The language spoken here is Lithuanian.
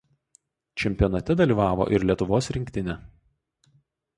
Čempionate dalyvavo ir Lietuvos rinktinė.